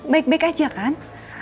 baik baik aja kan